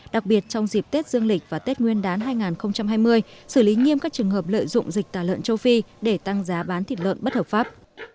đặc biệt trong dịp tết dương lịch và tết nguyên đán hai nghìn hai mươi xử lý nghiêm các trường hợp lợi dụng dịch tả lợn châu phi để tăng giá bán thịt lợn bất hợp pháp